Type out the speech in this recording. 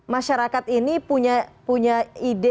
masyarakat ini punya ide